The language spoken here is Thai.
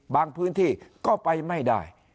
พื้นที่ก็ไปไม่ได้